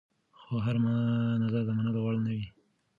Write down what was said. خو هر نظر د منلو وړ نه وي.